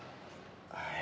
はい。